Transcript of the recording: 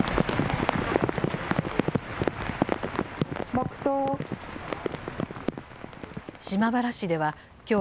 黙とう。